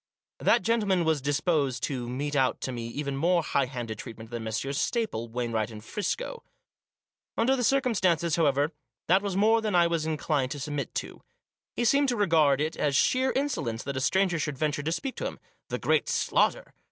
That gentleman was disposed to mete out to me even more high handed treatment than Messrs Staple, Wainright and Friscoe. Under the circumstances, however, that was more than I was inclined to submit to. He seemed to regard it as sheer insolence that a stranger should venture to speak to him — the great Slaughter!